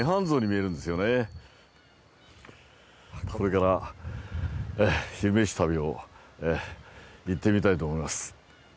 これから「昼めし旅」をいってみたいと思います。